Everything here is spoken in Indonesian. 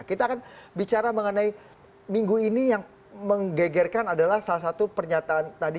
kita akan bicara mengenai minggu ini yang menggegerkan adalah salah satu pernyataan tadi